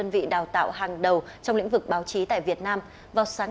vừa phải đấu tranh với hy vọng